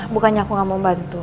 bukannya aku gak mau bantu